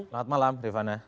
selamat malam devana